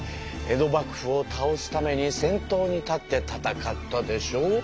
江戸幕府を倒すために先頭に立って戦ったでしょ。